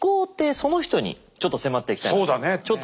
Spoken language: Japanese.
その人にちょっと迫っていきたいなと。